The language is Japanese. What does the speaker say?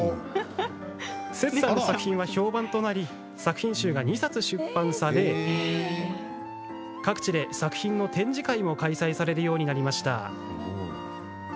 セツさんの作品は評判となり作品集が２冊出版され各地で作品の展示会も開催されるようになりました。